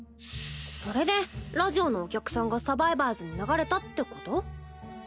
それでラジオのお客さんが「サバイバーズ」に流れたってこと？